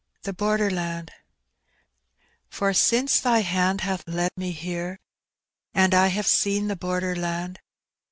THE BOBDEU LAND, For BiDco Thy hand hath led me hen>, Aod I have seen the border land.